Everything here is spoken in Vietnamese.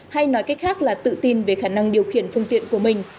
hay nói cách khác là tự tin về khả năng điều khiển phương tiện của mình